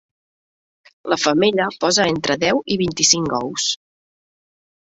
La femella posa entre deu i vint-i-cinc ous.